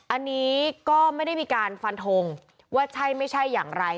อันนี้ก็ไม่ได้มีการฟันทงว่าใช่ไม่ใช่อย่างไร